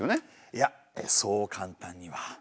いやそう簡単には。